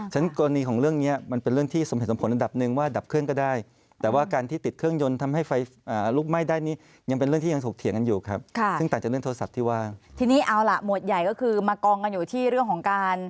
ฉะนั้นกรณีของเรื่องนี้มันเป็นเรื่องที่สมเหตุสมผลระดับหนึ่ง